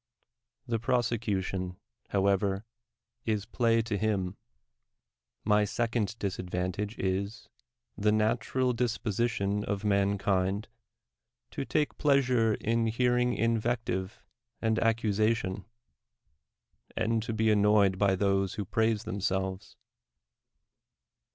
The prose cution, however, is play to him. My second dis advantage is, the natural disposition of mankind to take pleasure in hearing invective and accusa tion, and to be annoyed by those who praise themselves.